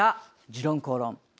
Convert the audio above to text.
「時論公論」。